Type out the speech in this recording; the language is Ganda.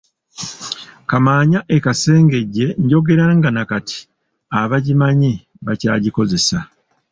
Kaamaanya e Kasengejje njogera nga nakati abagimanyi bakyagikozesa.